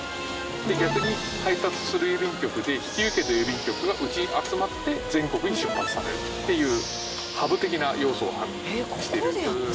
で逆に配達する郵便局で引き受けた郵便局がうちに集まって全国に出発されるっていうハブ的な要素をしてるになってる郵便局。